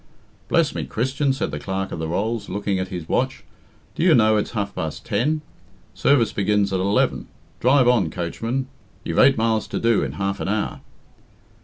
"Bless me, Christian," said the Clerk of the Rolls, looking at his watch, "do you know it's half past ten? Service begins at eleven. Drive on, coachman. You've eight miles to do in half an hour."